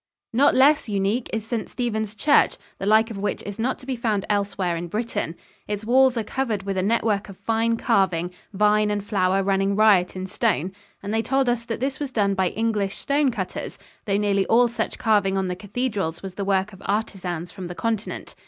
Not less unique is St. Steven's church, the like of which is not to be found elsewhere in Britain. Its walls are covered with a network of fine carving, vine and flower running riot in stone, and they told us that this was done by English stonecutters, though nearly all such carving on the cathedrals was the work of artisans from the continent.